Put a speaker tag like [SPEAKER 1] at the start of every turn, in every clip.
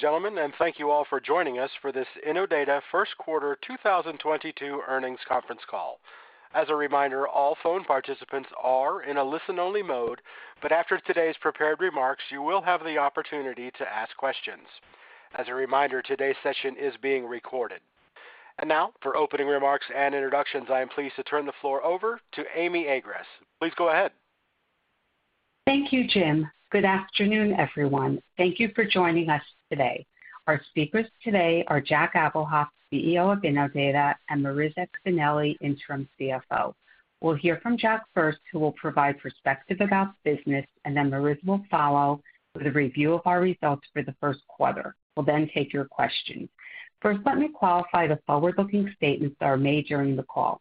[SPEAKER 1] Good day, ladies and gentlemen, and thank you all for joining us for this Innodata Q1 2022 earnings conference call. As a reminder, all phone participants are in a listen-only mode, but after today's prepared remarks, you will have the opportunity to ask questions. As a reminder, today's session is being recorded. Now for opening remarks and introductions, I am pleased to turn the floor over to Amy Agress. Please go ahead.
[SPEAKER 2] Thank you, Jim. Good afternoon, everyone. Thank you for joining us today. Our speakers today are Jack Abuhoff, CEO of Innodata, and Marissa Espineli, interim CFO. We'll hear from Jack first, who will provide perspective about the business, and then Marissa will follow with a review of our results for the Q1. We'll then take your questions. First, let me qualify the forward-looking statements that are made during the call.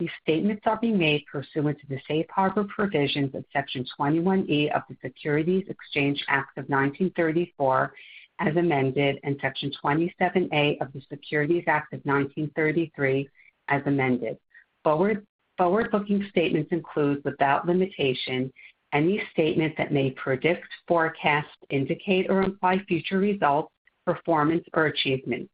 [SPEAKER 2] These statements are being made pursuant to the safe harbor provisions of section 21E of the Securities Exchange Act of 1934 as amended, and section 27A of the Securities Act of 1933 as amended. Forward-looking statements include, without limitation, any statement that may predict, forecast, indicate, or imply future results, performance, or achievement.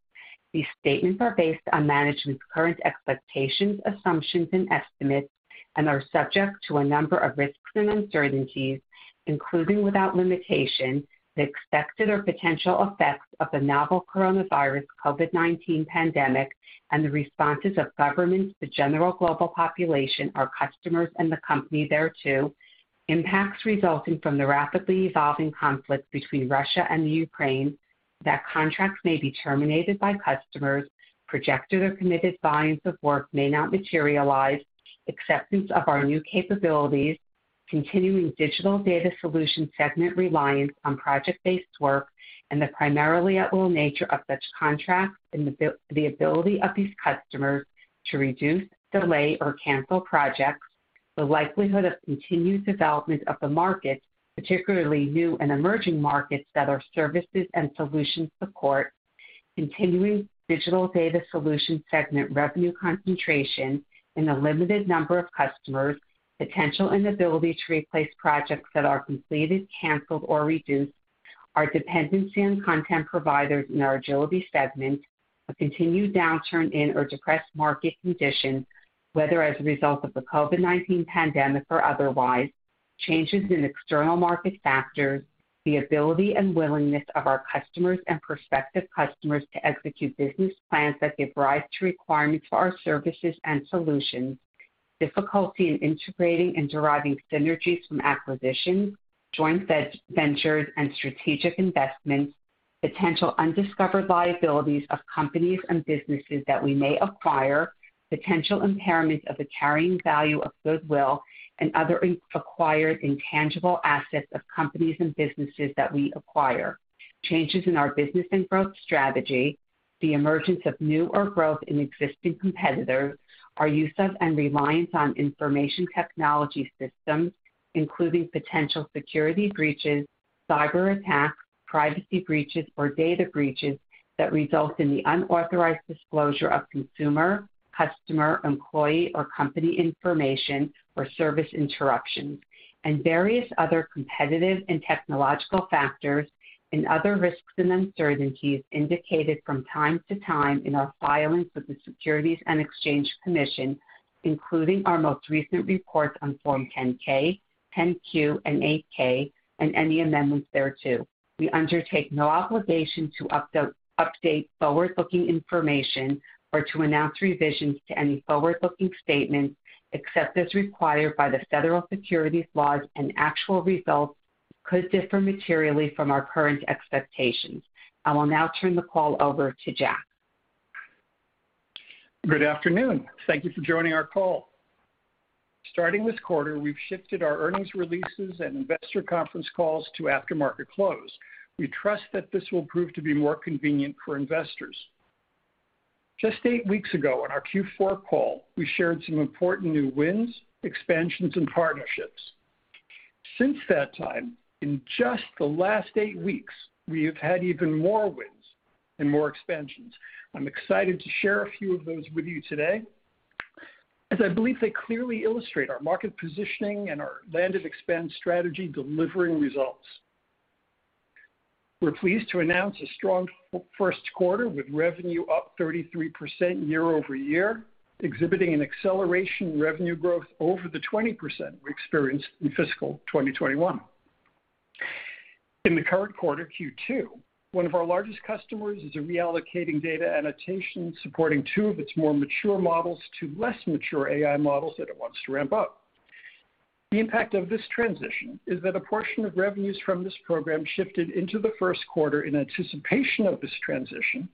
[SPEAKER 2] These statements are based on management's current expectations, assumptions, and estimates and are subject to a number of risks and uncertainties, including without limitation, the expected or potential effects of the novel coronavirus COVID-19 pandemic and the responses of governments, the general global population, our customers, and the company thereto. Impacts resulting from the rapidly evolving conflict between Russia and the Ukraine, that contracts may be terminated by customers, projected or committed volumes of work may not materialize, acceptance of our new capabilities, continuing Digital Data Solutions segment reliance on project-based work, and the primarily at-will nature of such contracts, and the ability of these customers to reduce, delay, or cancel projects. The likelihood of continued development of the market, particularly new and emerging markets that our services and solutions support. Continuing Digital Data Solutions segment revenue concentration in a limited number of customers. Potential inability to replace projects that are completed, canceled, or reduced. Our dependency on content providers in our Agility segment. A continued downturn in or depressed market conditions, whether as a result of the COVID-19 pandemic or otherwise. Changes in external market factors. The ability and willingness of our customers and prospective customers to execute business plans that give rise to requirements for our services and solutions. Difficulty in integrating and deriving synergies from acquisitions, joint ventures, and strategic investments. Potential undiscovered liabilities of companies and businesses that we may acquire. Potential impairment of the carrying value of goodwill and other acquired intangible assets of companies and businesses that we acquire. Changes in our business and growth strategy. The emergence of new or growth in existing competitors. Our use of and reliance on information technology systems, including potential security breaches, cyberattacks, privacy breaches, or data breaches that result in the unauthorized disclosure of consumer, customer, employee, or company information or service interruptions. Various other competitive and technological factors and other risks and uncertainties indicated from time to time in our filings with the Securities and Exchange Commission, including our most recent reports on Form 10-K, 10-Q, and 8-K and any amendments thereto. We undertake no obligation to update forward-looking information or to announce revisions to any forward-looking statements, except as required by the federal securities laws, and actual results could differ materially from our current expectations. I will now turn the call over to Jack.
[SPEAKER 3] Good afternoon. Thank you for joining our call. Starting this quarter, we've shifted our earnings releases and investor conference calls to aftermarket close. We trust that this will prove to be more convenient for investors. Just eight weeks ago in our Q4 call, we shared some important new wins, expansions, and partnerships. Since that time, in just the last eight weeks, we have had even more wins and more expansions. I'm excited to share a few of those with you today, as I believe they clearly illustrate our market positioning and our land and expand strategy delivering results. We're pleased to announce a strong Q1, with revenue up 33% year-over-year, exhibiting an acceleration in revenue growth over the 20% we experienced in fiscal 2021. In the current quarter, Q2, one of our largest customers is reallocating data annotation, supporting two of its more mature models to less mature AI models that it wants to ramp up. The impact of this transition is that a portion of revenues from this program shifted into the Q1 in anticipation of this transition,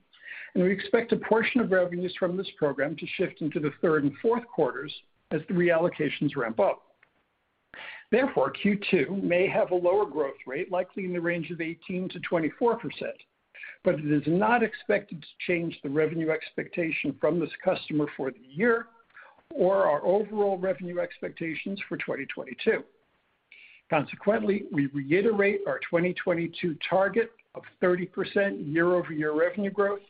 [SPEAKER 3] and we expect a portion of revenues from this program to shift into the Q3 and Q4 as the reallocations ramp up. Therefore, Q2 may have a lower growth rate, likely in the range of 18%-24%, but it is not expected to change the revenue expectation from this customer for the year or our overall revenue expectations for 2022. Consequently, we reiterate our 2022 target of 30% year-over-year revenue growth.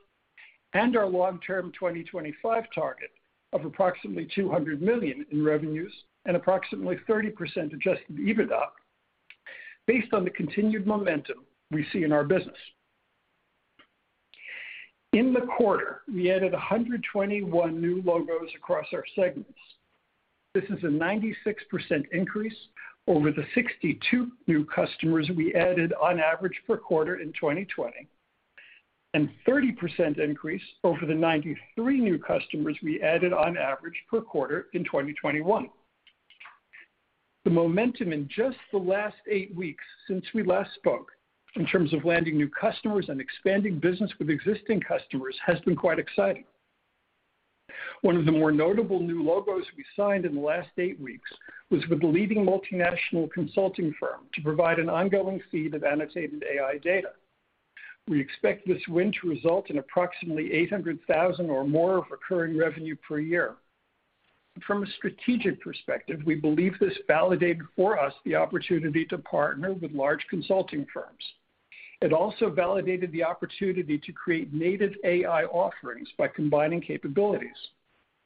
[SPEAKER 3] Our long-term 2025 target of approximately $200 million in revenues and approximately 30% adjusted EBITDA based on the continued momentum we see in our business. In the quarter, we added 121 new logos across our segments. This is a 96% increase over the 62 new customers we added on average per quarter in 2020, and 30% increase over the 93 new customers we added on average per quarter in 2021. The momentum in just the last eight weeks since we last spoke in terms of landing new customers and expanding business with existing customers has been quite exciting. One of the more notable new logos we signed in the last eight weeks was with a leading multinational consulting firm to provide an ongoing feed of annotated AI data. We expect this win to result in approximately $800,000 or more of recurring revenue per year. From a strategic perspective, we believe this validated for us the opportunity to partner with large consulting firms. It also validated the opportunity to create native AI offerings by combining capabilities.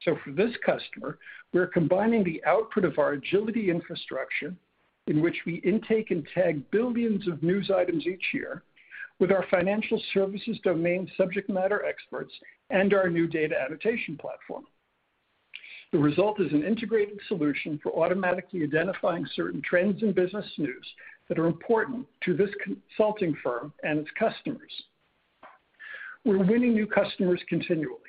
[SPEAKER 3] For this customer, we're combining the output of our Agility infrastructure, in which we intake and tag billions of news items each year, with our financial services domain subject matter experts and our new data annotation platform. The result is an integrated solution for automatically identifying certain trends in business news that are important to this consulting firm and its customers. We're winning new customers continually.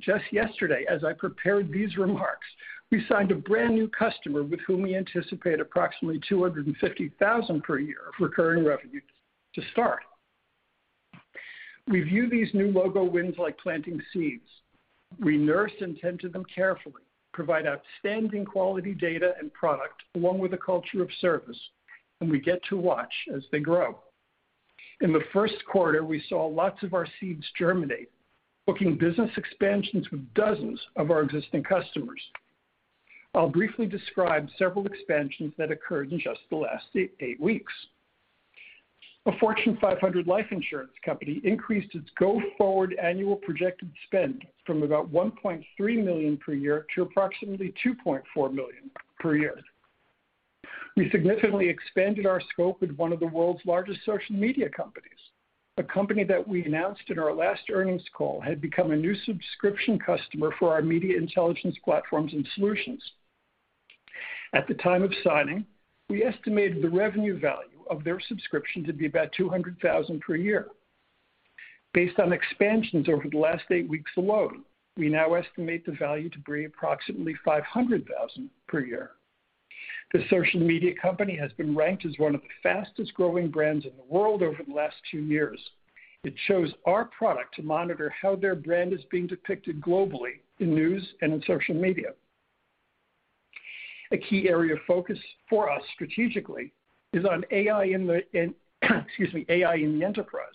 [SPEAKER 3] Just yesterday, as I prepared these remarks, we signed a brand-new customer with whom we anticipate approximately $250,000 per year of recurring revenue to start. We view these new logo wins like planting seeds. We nurse and tend to them carefully, provide outstanding quality data and product along with a culture of service, and we get to watch as they grow. In the Q1, we saw lots of our seeds germinate, booking business expansions with dozens of our existing customers. I'll briefly describe several expansions that occurred in just the last eight weeks. A Fortune 500 life insurance company increased its go-forward annual projected spend from about $1.3 million per year to approximately $2.4 million per year. We significantly expanded our scope with one of the world's largest social media companies, a company that we announced in our last earnings call had become a new subscription customer for our media intelligence platforms and solutions. At the time of signing, we estimated the revenue value of their subscription to be about $200,000 per year. Based on expansions over the last eight weeks alone, we now estimate the value to be approximately $500,000 per year. The social media company has been ranked as one of the fastest-growing brands in the world over the last two years. It chose our product to monitor how their brand is being depicted globally in news and in social media. A key area of focus for us strategically is on AI in the enterprise.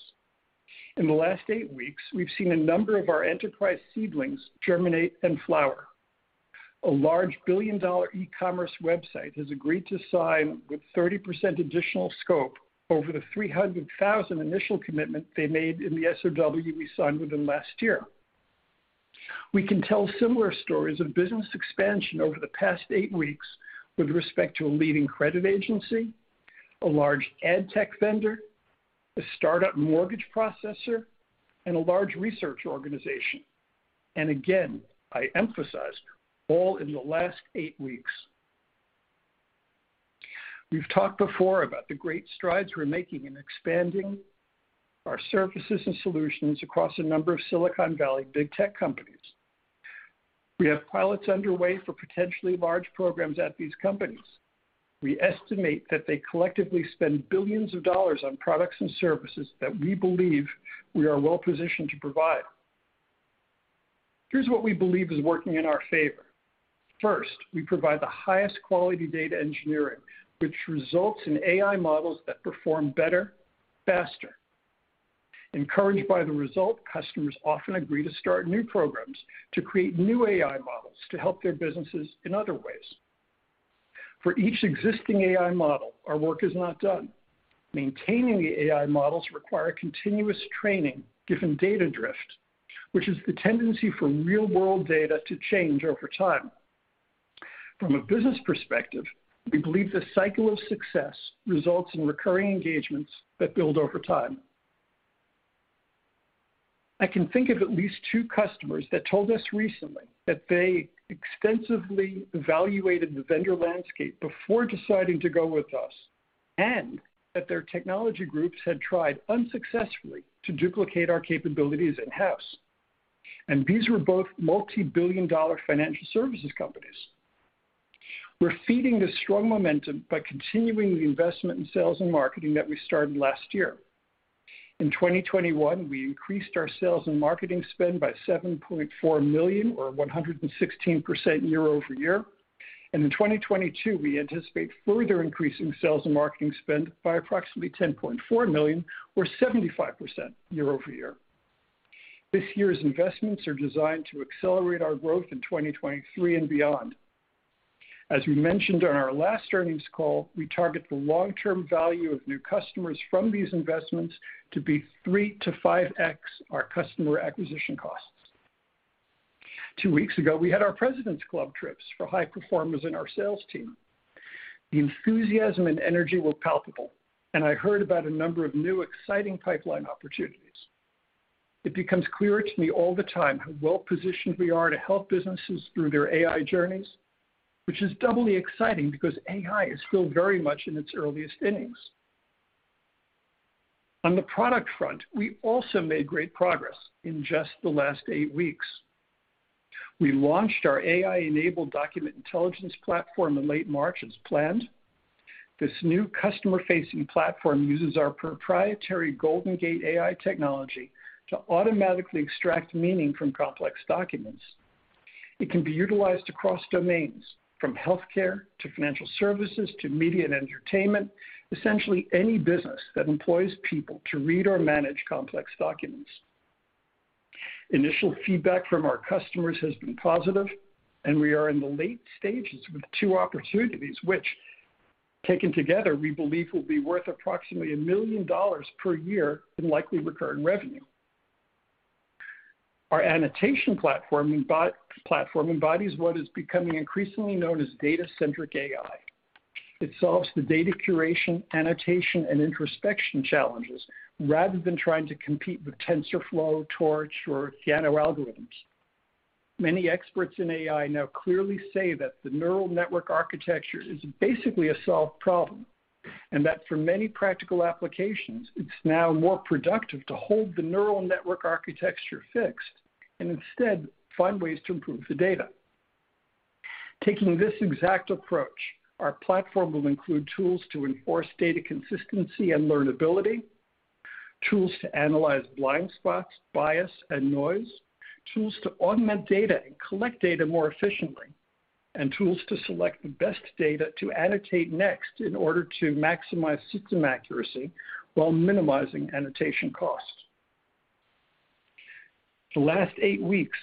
[SPEAKER 3] In the last eight weeks, we've seen a number of our enterprise seedlings germinate and flower. A large billion-dollar e-commerce website has agreed to sign with 30% additional scope over the $300,000 initial commitment they made in the SOW we signed with them last year. We can tell similar stories of business expansion over the past eight weeks with respect to a leading credit agency, a large ad tech vendor, a startup mortgage processor, and a large research organization. Again, I emphasize, all in the last eight weeks. We've talked before about the great strides we're making in expanding our services and solutions across a number of Silicon Valley big tech companies. We have pilots underway for potentially large programs at these companies. We estimate that they collectively spend billions of dollars on products and services that we believe we are well positioned to provide. Here's what we believe is working in our favor. First, we provide the highest quality data engineering, which results in AI models that perform better, faster. Encouraged by the result, customers often agree to start new programs to create new AI models to help their businesses in other ways. For each existing AI model, our work is not done. Maintaining the AI models require continuous training given data drift, which is the tendency for real-world data to change over time. From a business perspective, we believe the cycle of success results in recurring engagements that build over time. I can think of at least two customers that told us recently that they extensively evaluated the vendor landscape before deciding to go with us, and that their technology groups had tried unsuccessfully to duplicate our capabilities in-house. These were both multi-billion dollar financial services companies. We're feeding this strong momentum by continuing the investment in sales and marketing that we started last year. In 2021, we increased our sales and marketing spend by $7.4 million or 116% year over year. In 2022, we anticipate further increasing sales and marketing spend by approximately $10.4 million or 75% year over year. This year's investments are designed to accelerate our growth in 2023 and beyond. As we mentioned on our last earnings call, we target the long-term value of new customers from these investments to be 3-5x our customer acquisition costs. Two weeks ago, we had our President's Club trips for high performers in our sales team. The enthusiasm and energy were palpable, and I heard about a number of new exciting pipeline opportunities. It becomes clearer to me all the time how well-positioned we are to help businesses through their AI journeys, which is doubly exciting because AI is still very much in its earliest innings. On the product front, we also made great progress in just the last eight weeks. We launched our AI-enabled document intelligence platform in late March as planned. This new customer-facing platform uses our proprietary GoldenGate AI technology to automatically extract meaning from complex documents. It can be utilized across domains, from healthcare to financial services to media and entertainment, essentially any business that employs people to read or manage complex documents. Initial feedback from our customers has been positive, and we are in the late stages with two opportunities, which, taken together, we believe will be worth approximately $1 million per year in likely recurring revenue. Our annotation platform embodies what is becoming increasingly known as data-centric AI. It solves the data curation, annotation, and introspection challenges rather than trying to compete with TensorFlow, Torch, or PyTorch algorithms. Many experts in AI now clearly say that the neural network architecture is basically a solved problem, and that for many practical applications, it's now more productive to hold the neural network architecture fixed and instead find ways to improve the data. Taking this exact approach, our platform will include tools to enforce data consistency and learnability, tools to analyze blind spots, bias, and noise, tools to augment data and collect data more efficiently, and tools to select the best data to annotate next in order to maximize system accuracy while minimizing annotation cost. The last eight weeks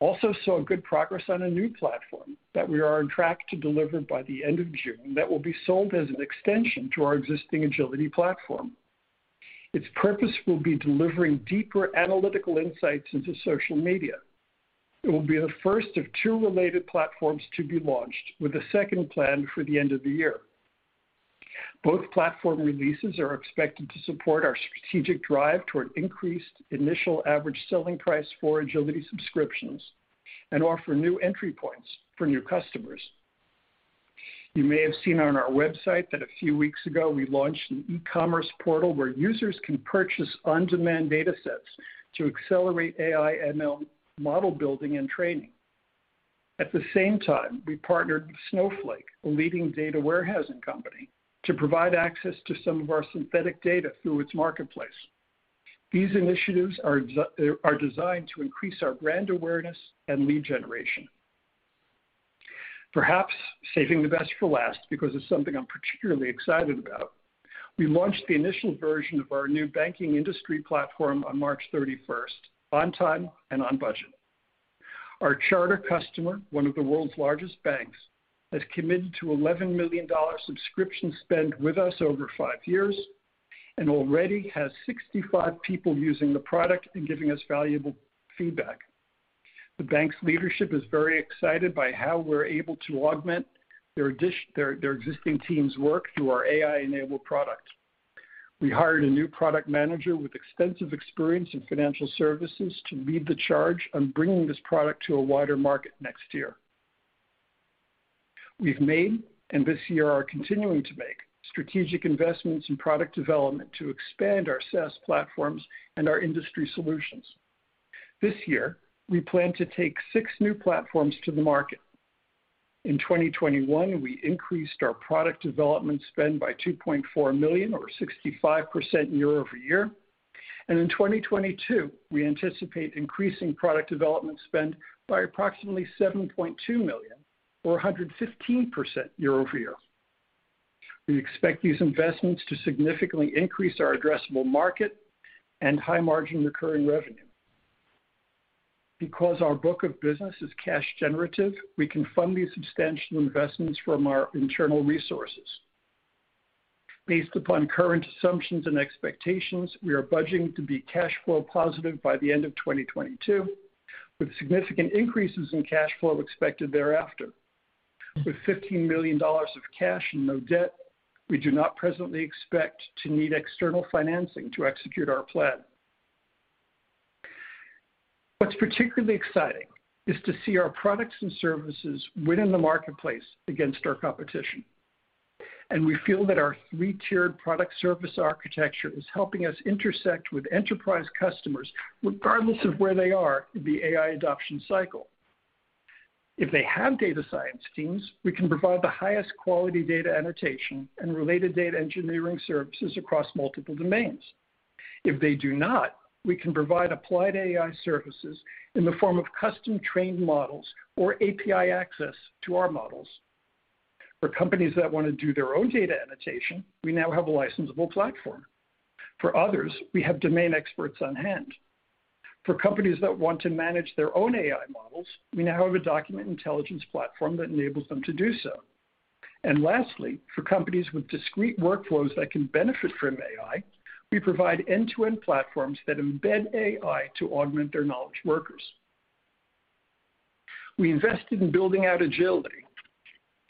[SPEAKER 3] also saw good progress on a new platform that we are on track to deliver by the end of June that will be sold as an extension to our existing Agility platform. Its purpose will be delivering deeper analytical insights into social media. It will be the first of two related platforms to be launched, with a second planned for the end of the year. Both platform releases are expected to support our strategic drive toward increased initial average selling price for Agility subscriptions and offer new entry points for new customers. You may have seen on our website that a few weeks ago, we launched an e-commerce portal where users can purchase on-demand datasets to accelerate AI ML model building and training. At the same time, we partnered with Snowflake, a leading data warehousing company, to provide access to some of our synthetic data through its marketplace. These initiatives are designed to increase our brand awareness and lead generation. Perhaps saving the best for last because it's something I'm particularly excited about, we launched the initial version of our new banking industry platform on March 31, on time and on budget. Our charter customer, one of the world's largest banks, has committed to $11 million subscription spend with us over five years and already has 65 people using the product and giving us valuable feedback. The bank's leadership is very excited by how we're able to augment their existing team's work through our AI-enabled product. We hired a new product manager with extensive experience in financial services to lead the charge on bringing this product to a wider market next year. We've made, and this year are continuing to make, strategic investments in product development to expand our SaaS platforms and our industry solutions. This year, we plan to take six new platforms to the market. In 2021, we increased our product development spend by $2.4 million or 65% year-over-year. In 2022, we anticipate increasing product development spend by approximately $7.2 million or 115% year-over-year. We expect these investments to significantly increase our addressable market and high margin recurring revenue. Because our book of business is cash generative, we can fund these substantial investments from our internal resources. Based upon current assumptions and expectations, we are budgeting to be cash flow positive by the end of 2022, with significant increases in cash flow expected thereafter. With $15 million of cash and no debt, we do not presently expect to need external financing to execute our plan. What's particularly exciting is to see our products and services win in the marketplace against our competition. We feel that our three-tiered product service architecture is helping us intersect with enterprise customers regardless of where they are in the AI adoption cycle. If they have data science teams, we can provide the highest quality data annotation and related data engineering services across multiple domains. If they do not, we can provide applied AI services in the form of custom-trained models or API access to our models. For companies that wanna do their own data annotation, we now have a licensable platform. For others, we have domain experts on hand. For companies that want to manage their own AI models, we now have a document intelligence platform that enables them to do so. Lastly, for companies with discrete workflows that can benefit from AI, we provide end-to-end platforms that embed AI to augment their knowledge workers. We invested in building out Agility,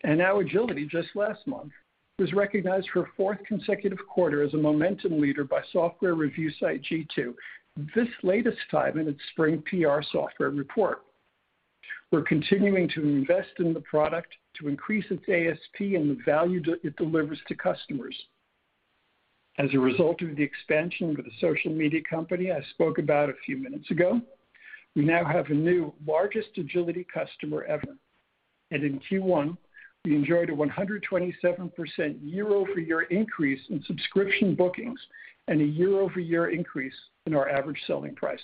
[SPEAKER 3] and now Agility, just last month, was recognized for a fourth consecutive quarter as a momentum leader by software review site G2, this latest time in its spring PR software report. We're continuing to invest in the product to increase its ASP and the value it delivers to customers. As a result of the expansion with a social media company I spoke about a few minutes ago, we now have a new largest Agility customer ever. In Q1, we enjoyed a 127% year-over-year increase in subscription bookings and a year-over-year increase in our average selling price.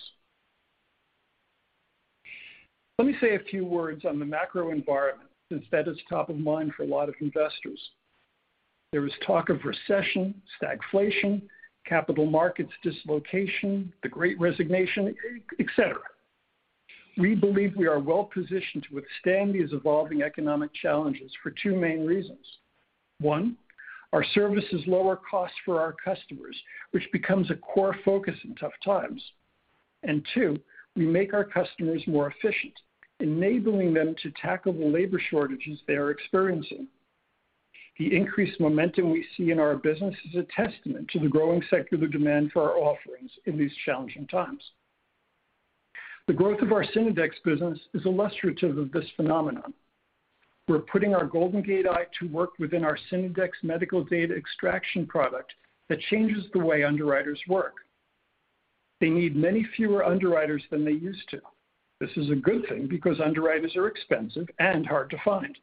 [SPEAKER 3] Let me say a few words on the macro environment since that is top of mind for a lot of investors. There is talk of recession, stagflation, capital markets dislocation, the Great Resignation, et cetera. We believe we are well-positioned to withstand these evolving economic challenges for two main reasons. One, our services lower costs for our customers, which becomes a core focus in tough times. Two, we make our customers more efficient, enabling them to tackle the labor shortages they are experiencing. The increased momentum we see in our business is a testament to the growing secular demand for our offerings in these challenging times. The growth of our Synodex business is illustrative of this phenomenon. We're putting our Goldengate AI to work within our Synodex medical data extraction product that changes the way underwriters work. They need many fewer underwriters than they used to. This is a good thing because underwriters are expensive and hard to find.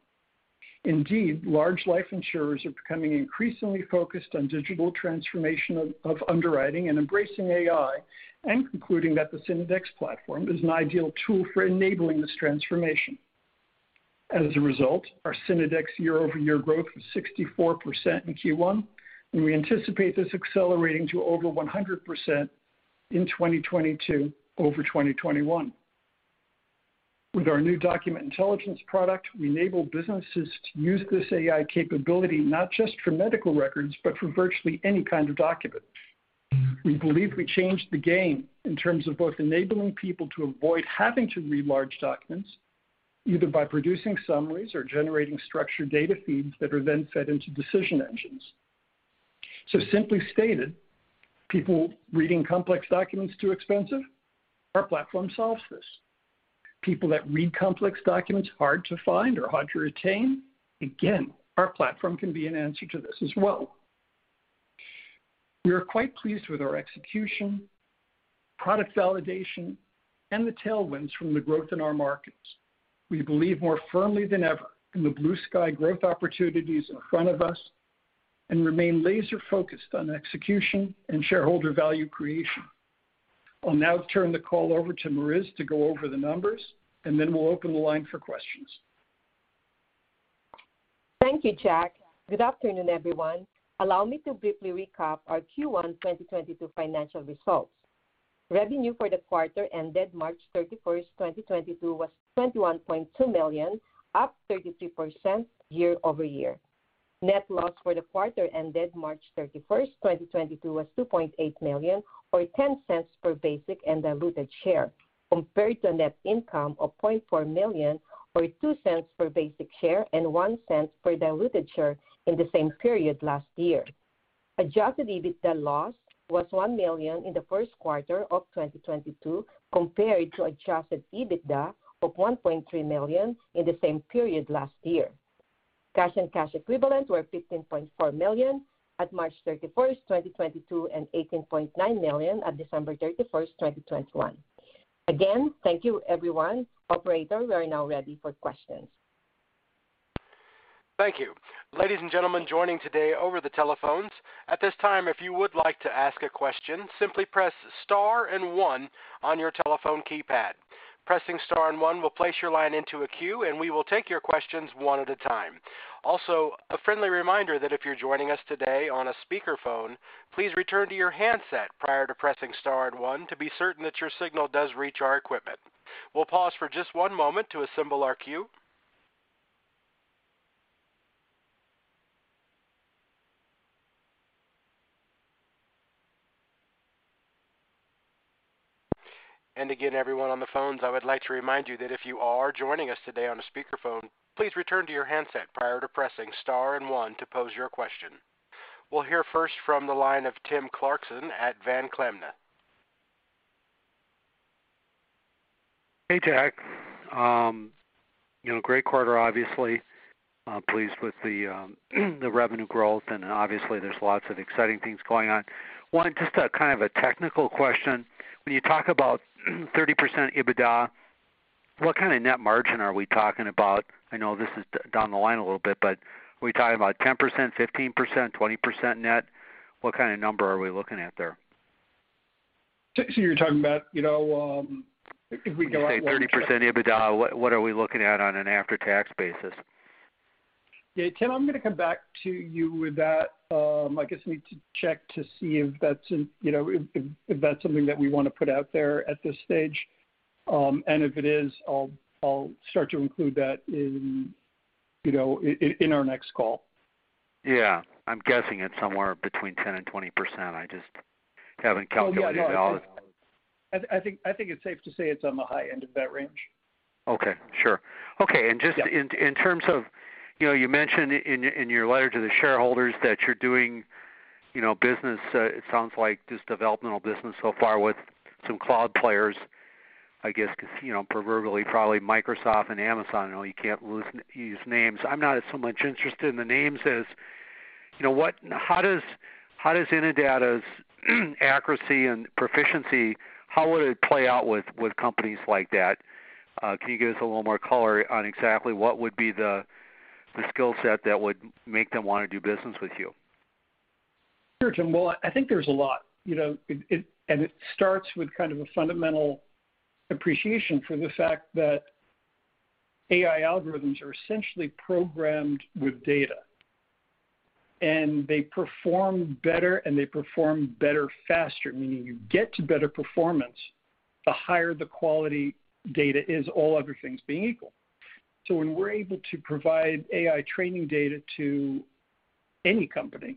[SPEAKER 3] Indeed, large life insurers are becoming increasingly focused on digital transformation of underwriting and embracing AI and concluding that the Synodex platform is an ideal tool for enabling this transformation. As a result, our Synodex year-over-year growth was 64% in Q1, and we anticipate this accelerating to over 100% in 2022 over 2021. With our new document intelligence product, we enable businesses to use this AI capability not just for medical records, but for virtually any kind of document. We believe we changed the game in terms of both enabling people to avoid having to read large documents, either by producing summaries or generating structured data feeds that are then fed into decision engines. Simply stated, people reading complex documents too expensive, our platform solves this. People that read complex documents hard to find or hard to retain, again, our platform can be an answer to this as well. We are quite pleased with our execution, product validation, and the tailwinds from the growth in our markets. We believe more firmly than ever in the blue sky growth opportunities in front of us and remain laser-focused on execution and shareholder value creation. I'll now turn the call over to Marissa to go over the numbers, and then we'll open the line for questions.
[SPEAKER 4] Thank you, Jack. Good afternoon, everyone. Allow me to briefly recap our Q1 2022 financial results. Revenue for the quarter ended March 31, 2022 was $21.2 million, up 32% year-over-year. Net loss for the quarter ended March 31, 2022 was $2.8 million or $0.10 per basic and diluted share, compared to net income of $0.4 million or $0.02 per basic share and $0.01 per diluted share in the same period last year. Adjusted EBITDA loss was $1 million in the Q1 of 2022 compared to adjusted EBITDA of $1.3 million in the same period last year. Cash and cash equivalents were $15.4 million at March 31, 2022, and $18.9 million at December 31, 2021. Again, thank you, everyone. Operator, we are now ready for questions.
[SPEAKER 1] Thank you. Ladies and gentlemen joining today over the telephones, at this time, if you would like to ask a question, simply press star and one on your telephone keypad. Pressing star and one will place your line into a queue, and we will take your questions one at a time. Also, a friendly reminder that if you're joining us today on a speakerphone, please return to your handset prior to pressing star and one to be certain that your signal does reach our equipment. We'll pause for just one moment to assemble our queue. Again, everyone on the phones, I would like to remind you that if you are joining us today on a speakerphone, please return to your handset prior to pressing star and one to pose your question. We'll hear first from the line of Tim Clarkson at Van Clemens.
[SPEAKER 5] Hey, Jack. You know, great quarter, obviously. Pleased with the revenue growth, and obviously there's lots of exciting things going on. One, just a kind of a technical question. When you talk about 30% EBITDA, what kind of net margin are we talking about? I know this is down the line a little bit, but are we talking about 10%, 15%, 20% net? What kind of number are we looking at there?
[SPEAKER 3] You're talking about, you know, if we go out.
[SPEAKER 5] 30% EBITDA, what are we looking at on an after-tax basis?
[SPEAKER 3] Yeah, Tim, I'm gonna come back to you with that. I guess we need to check to see if that's, you know, if that's something that we wanna put out there at this stage. If it is, I'll start to include that in, you know, in our next call.
[SPEAKER 5] Yeah. I'm guessing it's somewhere between 10% and 20%. I just haven't calculated it out.
[SPEAKER 3] I think it's safe to say it's on the high end of that range.
[SPEAKER 5] Okay. Sure. Okay.
[SPEAKER 3] Yeah.
[SPEAKER 5] Just in terms of, you know, you mentioned in your letter to the shareholders that you're doing, you know, business, it sounds like just developmental business so far with some cloud players, I guess, 'cause, you know, proverbially probably Microsoft and Amazon, you know, you can't lose these names. I'm not so much interested in the names as, you know, what. How does Innodata's accuracy and proficiency, how would it play out with companies like that? Can you give us a little more color on exactly what would be the skill set that would make them wanna do business with you?
[SPEAKER 3] Sure, Tim. Well, I think there's a lot. You know, it starts with kind of a fundamental appreciation for the fact that AI algorithms are essentially programmed with data. They perform better, faster, meaning you get to better performance the higher the quality data is, all other things being equal. When we're able to provide AI training data to any company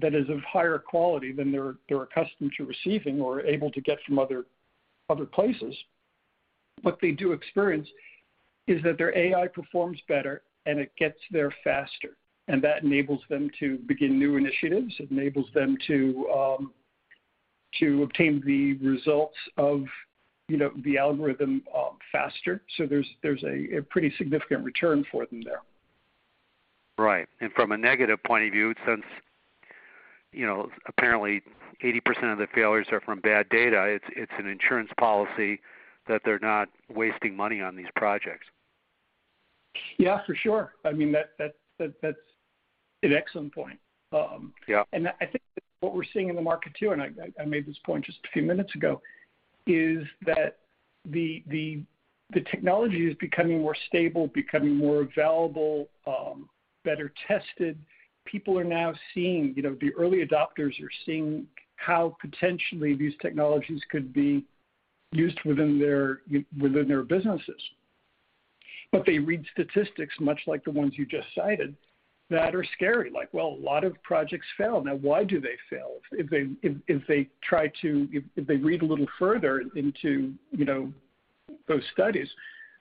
[SPEAKER 3] that is of higher quality than they're accustomed to receiving or able to get from other places, what they do experience is that their AI performs better, and it gets there faster. That enables them to begin new initiatives. It enables them to obtain the results of, you know, the algorithm, faster. There's a pretty significant return for them there.
[SPEAKER 5] Right. From a negative point of view, since, you know, apparently 80% of the failures are from bad data, it's an insurance policy that they're not wasting money on these projects.
[SPEAKER 3] Yeah, for sure. I mean, that's an excellent point.
[SPEAKER 5] Yeah.
[SPEAKER 3] I think what we're seeing in the market too, and I made this point just a few minutes ago, is that the technology is becoming more stable, becoming more available, better tested. People are now seeing. You know, the early adopters are seeing how potentially these technologies could be used within their businesses. They read statistics much like the ones you just cited that are scary. Like, well, a lot of projects fail. Now why do they fail? If they read a little further into, you know, those studies,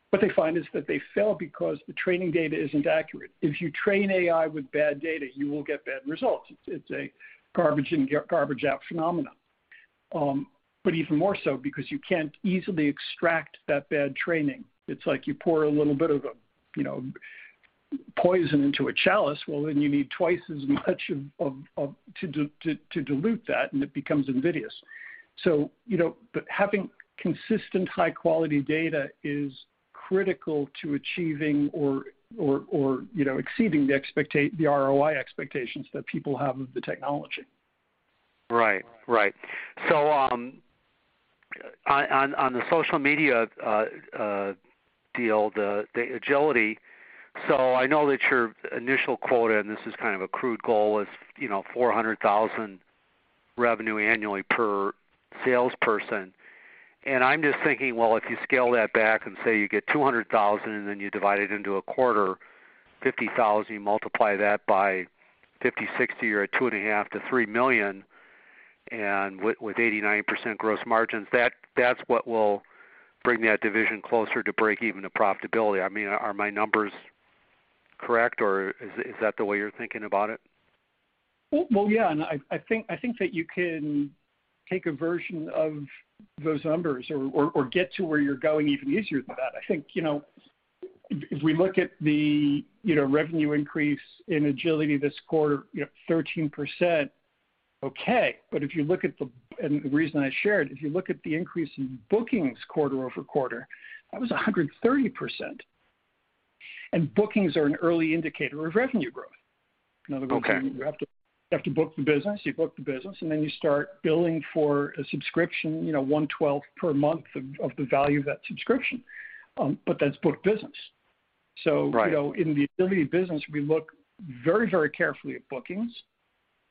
[SPEAKER 3] what they find is that they fail because the training data isn't accurate. If you train AI with bad data, you will get bad results. It's a garbage in, garbage out phenomenon. Even more so because you can't easily extract that bad training. It's like you pour a little bit of, you know, poison into a chalice. Well, then you need twice as much of to dilute that, and it becomes invidious. Having consistent high-quality data is critical to achieving or, you know, exceeding the ROI expectations that people have of the technology.
[SPEAKER 5] Right. On the social media deal, the Agility, I know that your initial quota, and this is kind of a crude goal, is, you know, $400,000 revenue annually per salesperson. I'm just thinking, well, if you scale that back and say you get $200,000 and then you divide it into a quarter, $50,000, you multiply that by 50-60, you're at $2.5-$3 million. With 89% gross margins, that's what will bring that division closer to breakeven to profitability. I mean, are my numbers correct, or is that the way you're thinking about it?
[SPEAKER 3] Well, yeah. I think that you can take a version of those numbers or get to where you're going even easier than that. I think, you know, if we look at the, you know, revenue increase in Agility this quarter, you know, 13%, okay. But if you look at the increase in bookings quarter-over-quarter, that was 130%. The reason I shared, if you look at the increase in bookings quarter-over-quarter, that was 130%. Bookings are an early indicator of revenue growth.
[SPEAKER 5] Okay.
[SPEAKER 3] In other words, you have to book the business, and then you start billing for a subscription, you know, $112 per month of the value of that subscription. But that's booked business.
[SPEAKER 5] Right.
[SPEAKER 3] you know, in the Agility business, we look very, very carefully at bookings.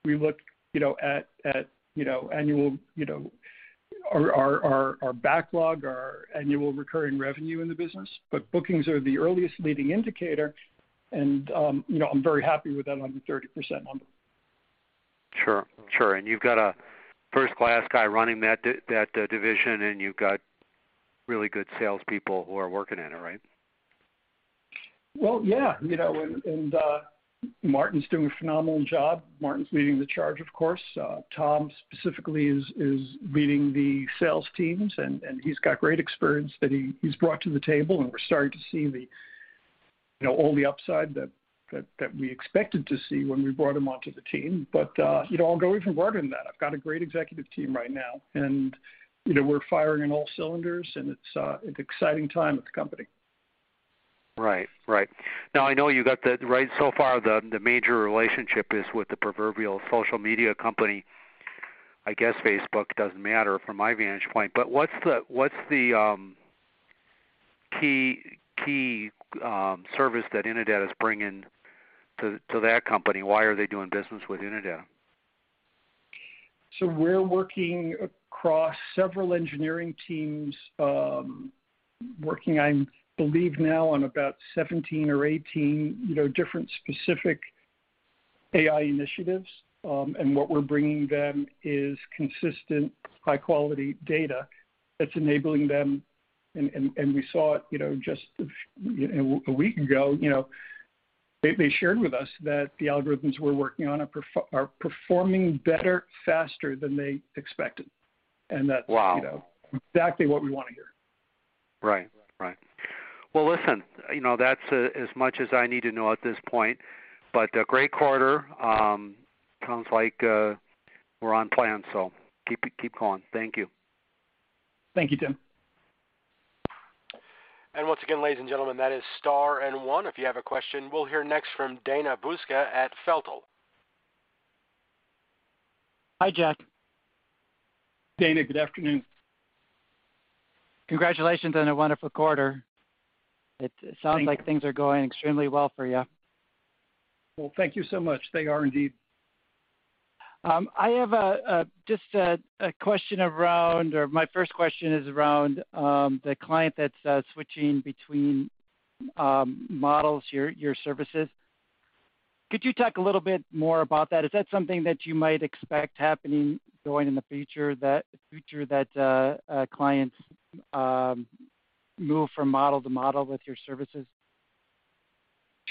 [SPEAKER 3] We look, you know, at you know, annual, you know, our backlog, our annual recurring revenue in the business. bookings are the earliest leading indicator and, you know, I'm very happy with that 130% number.
[SPEAKER 5] Sure. You've got a first-class guy running that division, and you've got really good salespeople who are working in it, right?
[SPEAKER 3] Yeah. You know, Martin's doing a phenomenal job. Martin's leading the charge, of course. Tom specifically is leading the sales teams, and he's got great experience that he's brought to the table, and we're starting to see the, you know, all the upside that we expected to see when we brought him onto the team. You know, I'll go even broader than that. I've got a great executive team right now and, you know, we're firing on all cylinders, and it's an exciting time at the company.
[SPEAKER 5] Right. Now, I know you got the right. So far, the major relationship is with the proverbial social media company. I guess Facebook doesn't matter from my vantage point. What's the key service that Innodata is bringing to that company? Why are they doing business with Innodata?
[SPEAKER 3] We're working across several engineering teams, now on about 17 or 18, you know, different specific AI initiatives. What we're bringing them is consistent high-quality data that's enabling them. We saw it, you know, just, you know, a week ago, you know, they shared with us that the algorithms we're working on are performing better, faster than they expected. And that
[SPEAKER 5] Wow.
[SPEAKER 3] You know? Exactly what we wanna hear.
[SPEAKER 5] Right. Well, listen, you know, that's as much as I need to know at this point. A great quarter. Sounds like we're on plan, so keep going. Thank you.
[SPEAKER 3] Thank you, Tim.
[SPEAKER 1] Once again, ladies and gentlemen, that is star and one if you have a question. We'll hear next from Dana Buska at Feltl and Company.
[SPEAKER 6] Hi, Jack.
[SPEAKER 3] Dana, Good afternoon.
[SPEAKER 6] Congratulations on a wonderful quarter.
[SPEAKER 3] Thank you.
[SPEAKER 6] It sounds like things are going extremely well for you.
[SPEAKER 3] Well, thank you so much. They are indeed.
[SPEAKER 6] I have a question around, or my first question is around, the client that's switching between models, your services. Could you talk a little bit more about that? Is that something that you might expect happening going in the future that the future that a client move from model to model with your services?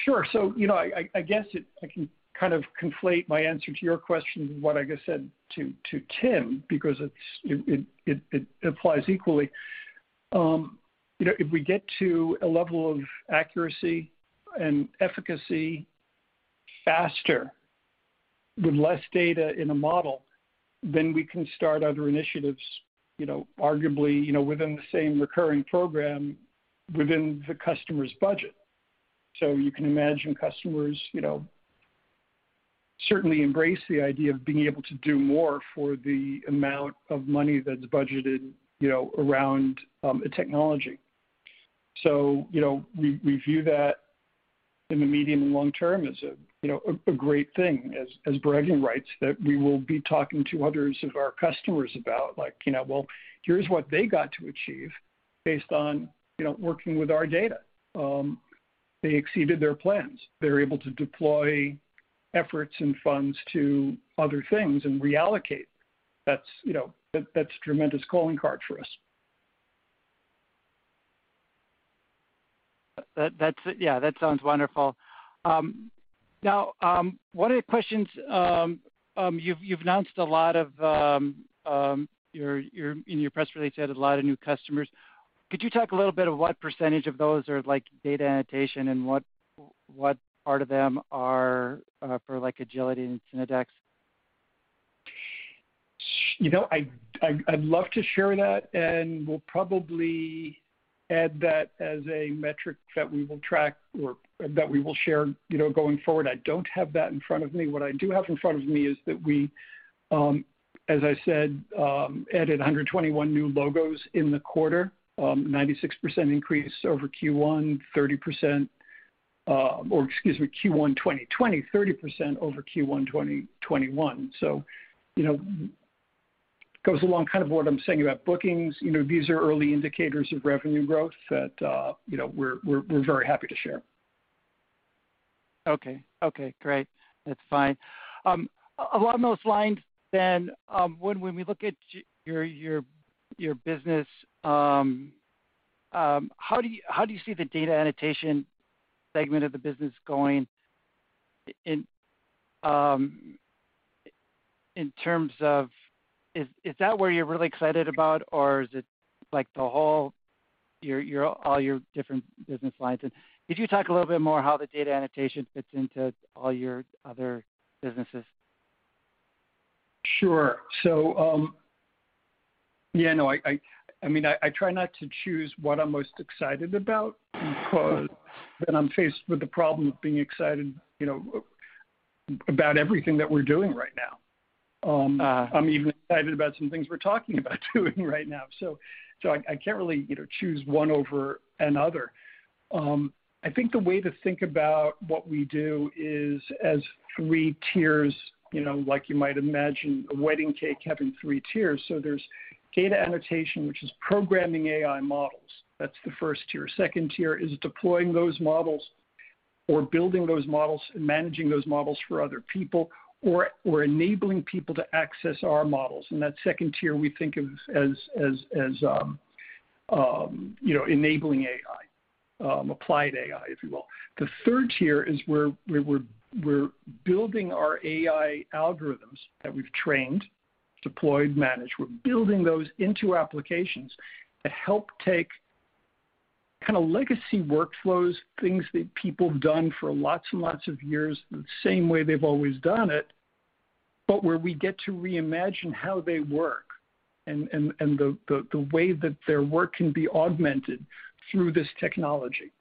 [SPEAKER 3] Sure. You know, I guess I can kind of conflate my answer to your question, what I just said to Tim, because it applies equally. You know, if we get to a level of accuracy and efficacy faster with less data in a model, then we can start other initiatives, you know, arguably, you know, within the same recurring program within the customer's budget. You can imagine customers, you know, certainly embrace the idea of being able to do more for the amount of money that's budgeted, you know, around a technology. You know, we view that in the medium and long term as a, you know, great thing as bragging rights that we will be talking to others of our customers about, like, you know, well, here's what they got to achieve based on, you know, working with our data. They exceeded their plans. They're able to deploy efforts and funds to other things and reallocate. That's, you know, a tremendous calling card for us.
[SPEAKER 6] That's it. Yeah, that sounds wonderful. Now, one of the questions, you've announced a lot. In your press release, you had a lot of new customers. Could you talk a little bit about what percentage of those are like data annotation and what part of them are for like Agility and Synodex?
[SPEAKER 3] You know, I'd love to share that, and we'll probably add that as a metric that we will track or that we will share, you know, going forward. I don't have that in front of me. What I do have in front of me is that we, as I said, added 121 new logos in the quarter, 96% increase over Q1, 30%, or excuse me, Q1 2020, 30% over Q1 2021. You know, goes along kind of what I'm saying about bookings. You know, these are early indicators of revenue growth that, you know, we're very happy to share.
[SPEAKER 6] Okay. Okay, great. That's fine. Along those lines, when we look at your business, how do you see the data annotation segment of the business going in terms of? Is that where you're really excited about, or is it like the whole your all your different business lines? Could you talk a little bit more how the data annotation fits into all your other businesses?
[SPEAKER 3] Sure. Yeah, no. I mean, I try not to choose what I'm most excited about because then I'm faced with the problem of being excited, you know, about everything that we're doing right now.
[SPEAKER 6] Uh.
[SPEAKER 3] I'm even excited about some things we're talking about doing right now. I can't really, you know, choose one over another. I think the way to think about what we do is as three tiers, you know, like you might imagine a wedding cake having three tiers. There's data annotation, which is programming AI models. That's the Tier-1. Tier-2 is deploying those models or building those models and managing those models for other people, or we're enabling people to access our models. That Tier-2 we think of as, you know, enabling AI, applied AI, if you will. The Tier-3 is where we're building our AI algorithms that we've trained, deployed, managed. We're building those into applications that help take kinda legacy workflows, things that people have done for lots and lots of years in the same way they've always done it, but where we get to reimagine how they work and the way that their work can be augmented through this technology.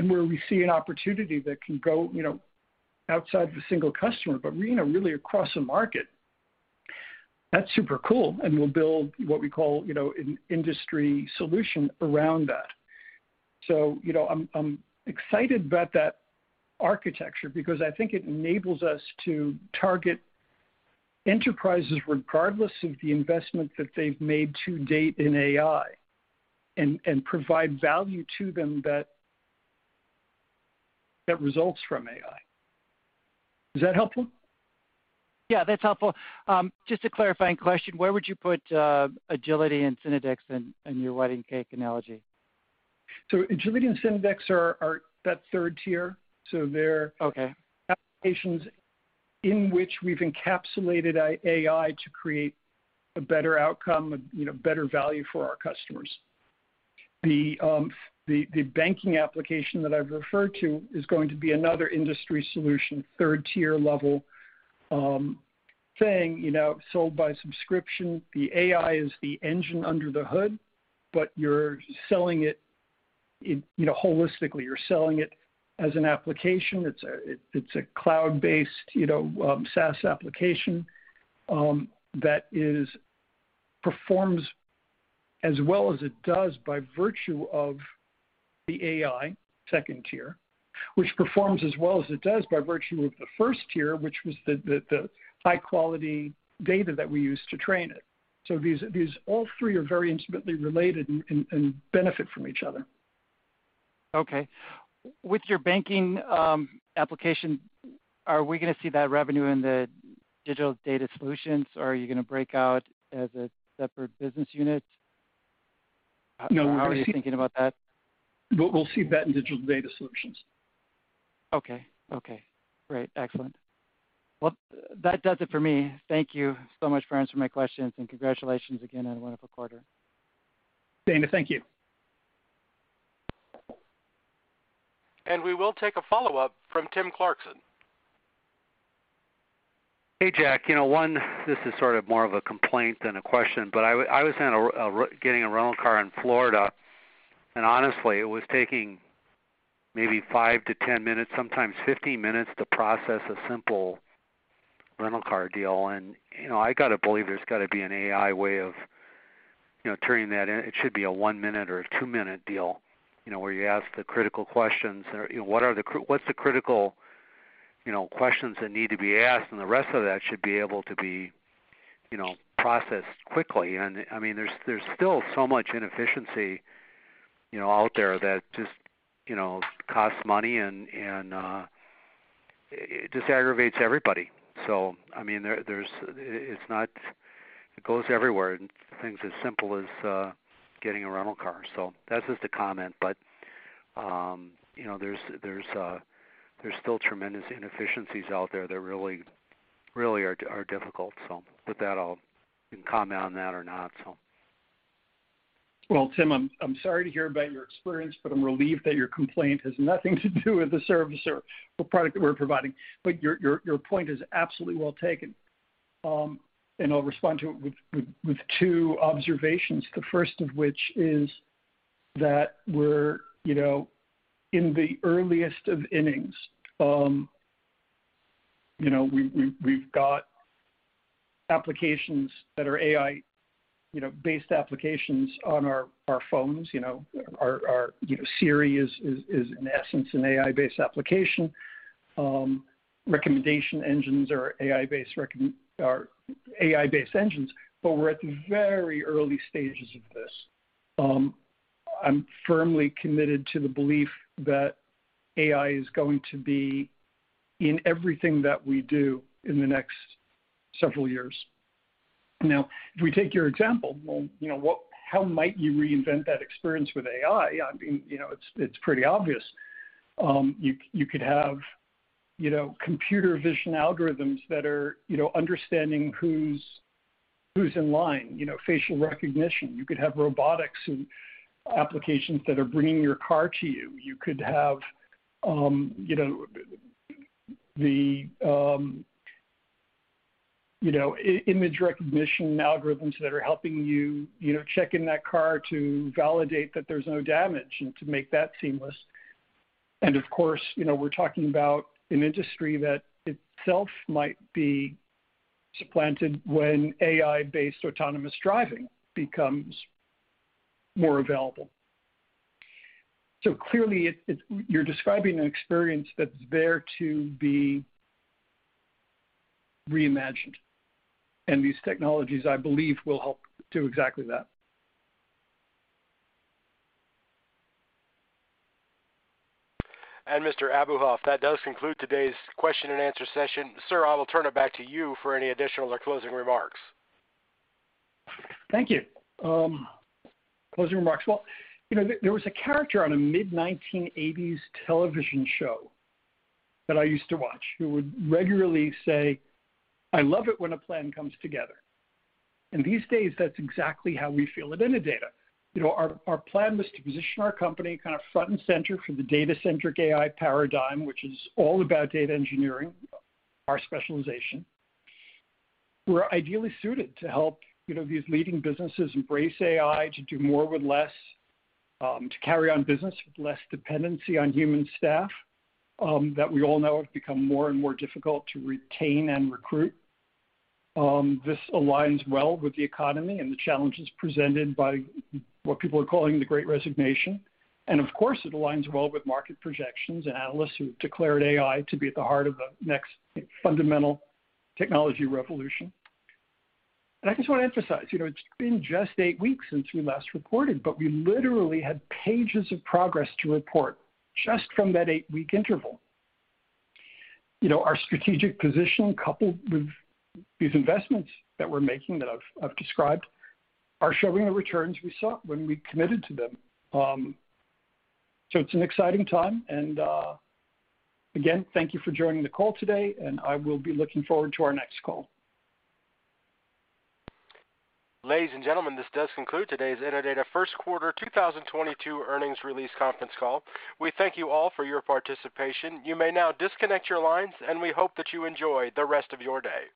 [SPEAKER 3] Where we see an opportunity that can go, you know, outside the single customer, but, you know, really across the market. That's super cool, and we'll build what we call, you know, an industry solution around that. You know, I'm excited about that architecture because I think it enables us to target enterprises regardless of the investment that they've made to date in AI and provide value to them that results from AI. Is that helpful?
[SPEAKER 6] Yeah, that's helpful. Just a clarifying question. Where would you put Agility and Synodex in your wedding cake analogy?
[SPEAKER 3] Agility and Synodex are that Tier-3.
[SPEAKER 6] Okay.
[SPEAKER 3] Applications in which we've encapsulated AI to create a better outcome, you know, better value for our customers. The banking application that I've referred to is going to be another industry solution, Tier-3 level, thing, you know, sold by subscription. The AI is the engine under the hood, but you're selling it in, you know, holistically. You're selling it as an application. It's a cloud-based, you know, SaaS application that performs as well as it does by virtue of the AI, Tier-2, which performs as well as it does by virtue of the Tier-1, which was the high quality data that we use to train it. These all three are very intimately related and benefit from each other.
[SPEAKER 6] Okay. With your banking application, are we gonna see that revenue in the Digital Data Solutions or are you gonna break out as a separate business unit?
[SPEAKER 3] No, we're gonna see.
[SPEAKER 6] How are you thinking about that?
[SPEAKER 3] We'll see that in Digital Data Solutions.
[SPEAKER 6] Okay. Okay, great. Excellent. Well, that does it for me. Thank you so much for answering my questions, and congratulations again on a wonderful quarter.
[SPEAKER 3] Dana, thank you.
[SPEAKER 1] We will take a follow-up from Tim Clarkson.
[SPEAKER 5] Hey, Jack. You know, one, this is sort of more of a complaint than a question, but I was getting a rental car in Florida, and honestly, it was taking maybe 5-10 minutes, sometimes 15 minutes to process a simple rental car deal. You know, I gotta believe there's gotta be an AI way of, you know, turning that in. It should be a one-minute or a two-minute deal, you know, where you ask the critical questions or, you know, what's the critical, you know, questions that need to be asked, and the rest of that should be able to be, you know, processed quickly. I mean, there's still so much inefficiency, you know, out there that just, you know, costs money and it just aggravates everybody. It goes everywhere in things as simple as getting a rental car. That's just a comment, but you know, there's still tremendous inefficiencies out there that really are difficult. With that, you can comment on that or not.
[SPEAKER 3] Well, Tim, I'm sorry to hear about your experience, but I'm relieved that your complaint has nothing to do with the service or product that we're providing. Your point is absolutely well taken. I'll respond to it with two observations. The first of which is that we're, you know, in the earliest of innings. You know, we've got applications that are AI, you know, based applications on our phones, you know. Our Siri is in essence an AI based application. Recommendation engines are AI based engines, but we're at the very early stages of this. I'm firmly committed to the belief that AI is going to be in everything that we do in the next several years. Now, if we take your example, well, you know, How might you reinvent that experience with AI? I mean, you know, it's pretty obvious. You could have, you know, computer vision algorithms that are, you know, understanding who's in line, you know, facial recognition. You could have robotics and applications that are bringing your car to you. You could have, you know, the, you know, image recognition algorithms that are helping you know, check in that car to validate that there's no damage and to make that seamless. Of course, you know, we're talking about an industry that itself might be supplanted when AI-based autonomous driving becomes more available. So clearly it. You're describing an experience that's there to be reimagined. These technologies, I believe, will help do exactly that.
[SPEAKER 1] Mr. Abuhoff, that does conclude today's question and answer session. Sir, I will turn it back to you for any additional or closing remarks.
[SPEAKER 3] Thank you. Closing remarks. Well, you know, there was a character on a mid 1980s television show that I used to watch, who would regularly say, "I love it when a plan comes together." These days, that's exactly how we feel at Innodata. You know, our plan was to position our company kind of front and center for the data-centric AI paradigm, which is all about data engineering, our specialization. We're ideally suited to help, you know, these leading businesses embrace AI to do more with less, to carry on business with less dependency on human staff, that we all know have become more and more difficult to retain and recruit. This aligns well with the economy and the challenges presented by what people are calling the Great Resignation. Of course, it aligns well with market projections and analysts who have declared AI to be at the heart of the next fundamental technology revolution. I just wanna emphasize, you know, it's been just eight weeks since we last reported, but we literally had pages of progress to report just from that eight-week interval. You know, our strategic position coupled with these investments that we're making, that I've described, are showing the returns we saw when we committed to them. So it's an exciting time and, again, thank you for joining the call today, and I will be looking forward to our next call.
[SPEAKER 1] Ladies and gentlemen, this does conclude today's Innodata Q1 2022 earnings release conference call. We thank you all for your participation. You may now disconnect your lines, and we hope that you enjoy the rest of your day.